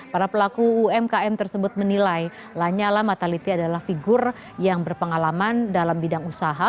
para pelaku umkm tersebut menilai lanyala mataliti adalah figur yang berpengalaman dalam bidang usaha